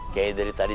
kayaknya dari tadi